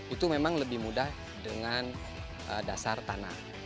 itu memang lebih mudah dengan dasar tanah